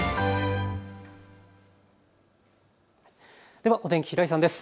ではお天気、平井さんです。